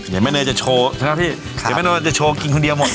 อย่าไม่เนยจะโชว์ใช่ไหมพี่ครับอย่าไม่เนยจะโชว์กินคนเดียวหมดนะฮะ